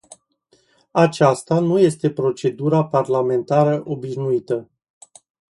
Aceasta nu este procedura parlamentară obișnuită.